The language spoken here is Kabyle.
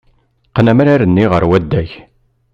Qqen amrar-nni ɣer waddag.